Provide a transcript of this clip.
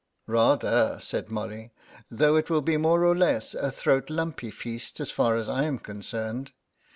"Rather," said Molly, "though it will be more or less a throat lumpy feast as far as I am concerned.